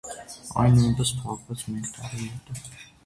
Այն նույնպես փակվեց մեկ տարի հետո։